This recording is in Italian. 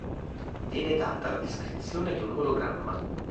Viene data la descrizione di un ologramma.